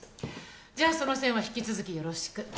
じゃあその線は引き続きよろしく。